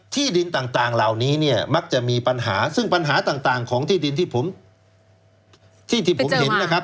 ที่ดินต่างเหล่านี้เนี่ยมักจะมีปัญหาซึ่งปัญหาต่างของที่ดินที่ผมที่ผมเห็นนะครับ